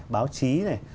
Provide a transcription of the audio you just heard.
báo chí này